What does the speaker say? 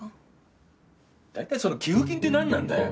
大体その寄付金ってなんなんだよ？